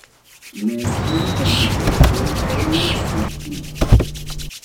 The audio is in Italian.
Nelson Education Ltd.